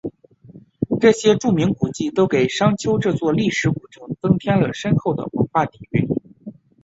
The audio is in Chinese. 这些著名古迹都给商丘这座历史古城增添了深厚的文化底蕴。